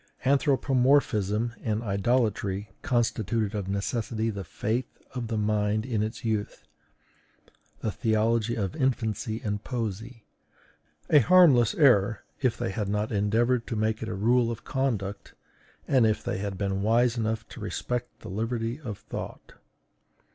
Anthropomorphism and idolatry constituted of necessity the faith of the mind in its youth, the theology of infancy and poesy. A harmless error, if they had not endeavored to make it a rule of conduct, and if they had been wise enough to respect the liberty of thought.